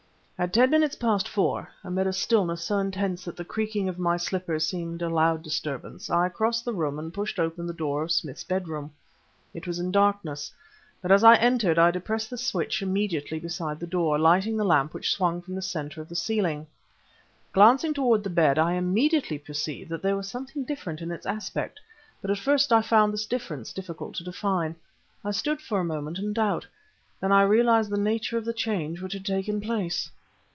At ten minutes past four, amid a stillness so intense that the creaking of my slippers seemed a loud disturbance, I crossed the room and pushed open the door of Smith's bedroom. It was in darkness, but as I entered I depressed the switch immediately inside the door, lighting the lamp which swung form the center of the ceiling. Glancing towards the bed, I immediately perceived that there was something different in its aspect, but at first I found this difference difficult to define. I stood for a moment in doubt. Then I realized the nature of the change which had taken place.